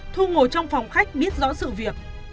thu ngồi trong phòng khách biết rõ sự việc